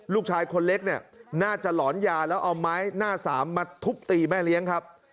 ลูกชายคนเล็กเนี่ยน่าจะหลอนยาแล้วเอาไม้หน้าสามมาทุบตีแม่เลี้ยงครับ